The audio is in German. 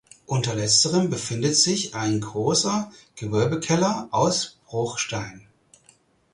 Unter letzterem befindet sich ein großer Gewölbekeller aus Bruchstein.